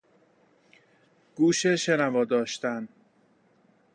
گوش شنوا داشتن